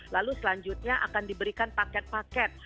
lalu selanjutnya akan diberikan paket paket